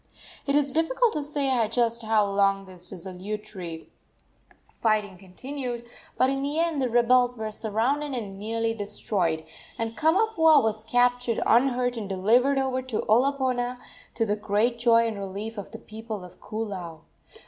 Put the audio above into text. It is difficult to say just how long this desultory fighting continued, but in the end the rebels were surrounded and nearly destroyed, and Kamapuaa was captured unhurt and delivered over to Olopana, to the great joy and relief of the people of Koolau.